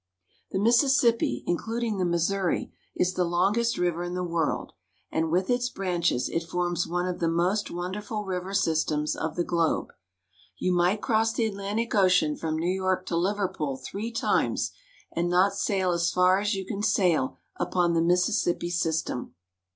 The Mississippi, including the Missouri, is the longest river in the world, and, with its branches, it forms one of UP THE MISSISSIPPI. 151 the most wonderful river systems of the globe. You might cross the Atlantic Ocean from New York to Liverpool three times, and not sail as far as you can sail upon the Mississippi system.